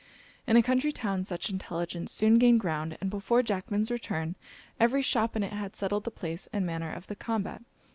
In a country town, such intelligence soon gained ground; and before Jackman's return, every shop in it had settled the place and manner of the combat.